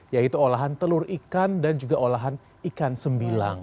yaitu olahan telur ikan dan juga olahan ikan sembilang